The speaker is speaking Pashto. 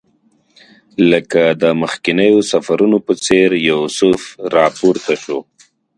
لکه د مخکنیو سفرونو په څېر یوسف راپورته شو.